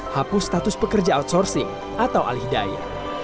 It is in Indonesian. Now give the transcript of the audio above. hapus status pekerja outsourcing atau alhidayah